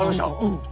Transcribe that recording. うん。